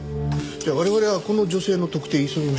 じゃあ我々はこの女性の特定急ぎましょう。